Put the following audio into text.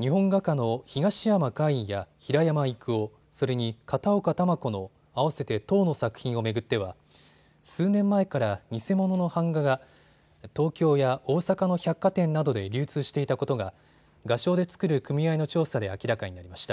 日本画家の東山魁夷や平山郁夫、それに片岡球子の合わせて１０の作品を巡っては数年前から偽物の版画が東京や大阪の百貨店などで流通していたことが画商で作る組合の調査で明らかになりました。